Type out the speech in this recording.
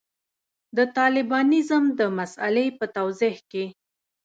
د طالبانیزم د مسألې په توضیح کې.